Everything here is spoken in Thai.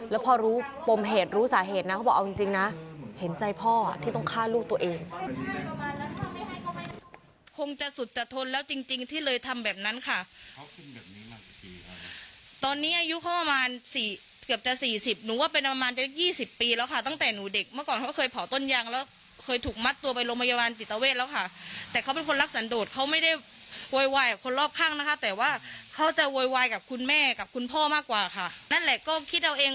แล้วพอรู้ปมเหตุรู้สาเหตุนะเขาบอกเอาจริงนะเห็นใจพ่อที่ต้องฆ่าลูกตัวเอง